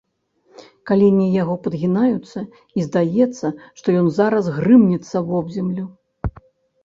Калені яго падгінаюцца, і здаецца, што ён зараз грымнецца вобземлю.